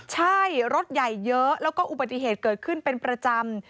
ใช่รถใหญ่เยอะแล้วก็อุบัติเหตุเกิดขึ้นเป็นประจำ